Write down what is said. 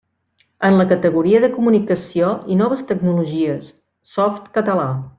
En la categoria de comunicació i noves tecnologies, Softcatalà.